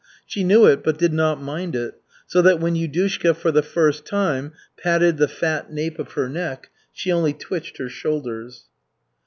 She knew it, but did not mind it, so that when Yudushka for the first time patted the fat nape of her neck, she only twitched her shoulders.